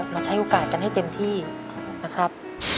มาใช้โอกาสกันให้เต็มที่นะครับ